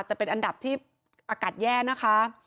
แต่เป็นอันดับที่อากาศแย่นะคะ